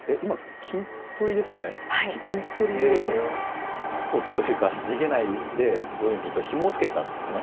金取りを放置というか逃げないで５四銀とひもを付けたんですね。